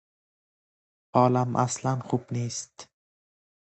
حالم اصلا خوب نیست.